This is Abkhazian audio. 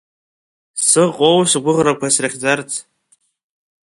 Сыҟоу сгәыӷрақәа срыхьӡарц?